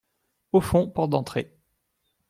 Au fond, porte d’entrée.